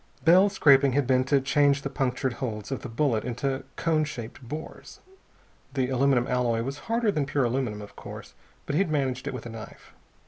Bell's scraping had been to change the punctured holes of the bullet into cone shaped bores. The aluminum alloy was harder than pure aluminum, of course, but he had managed it with a knife.